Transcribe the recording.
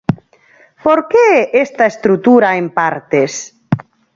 Por que esta estrutura en partes?